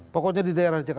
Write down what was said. pokoknya di daerah jakarta